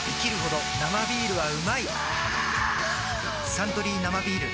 「サントリー生ビール」